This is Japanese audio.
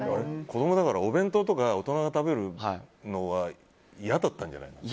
子供だからお弁当とか大人が食べるものが嫌だったんじゃない？